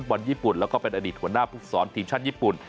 บอลญี่ปุ่นแล้วก็เป็นอดีตหัวหน้าภูกษรทีมชาติญี่ปุ่น